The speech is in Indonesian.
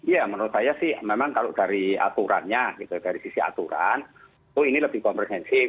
ya menurut saya sih memang kalau dari aturannya dari sisi aturan itu ini lebih komprehensif